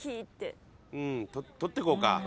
うん取ってこうか。